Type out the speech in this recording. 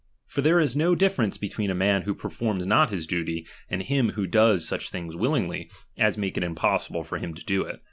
For there is no difference between a man who performs not his duty, and him who does such things willingly as make it impossible for him to do it.